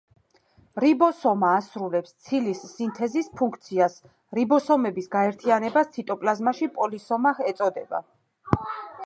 რიბოსომა ასრულებს ცილის სინთეზის ფუნქციას. რიბოსომების გაერთიანებას ციტოპლაზმაში -პოლისომა ეწოდება.